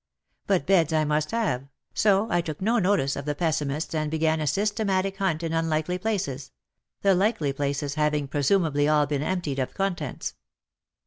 But beds I must have, so I took no notice of the pessimists and began a systematic hunt in unlikely places — the likely places having presumably all been emptied of contents.